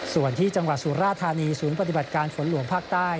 ส่วนที่จังหวัดสุราธานีศูนย์ปฏิบัติการฝนหลวงภาคใต้